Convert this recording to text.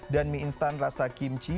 dan mi instant rasa kimchi